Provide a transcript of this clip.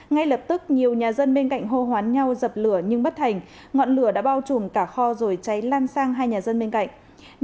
ngay lập tức nhiều nhà dân bên cạnh hô hoán nhau dập lửa nhưng bất thành ngọn lửa đã bao trùm cả kho rồi cháy lan sang hai nhà dân bên cạnh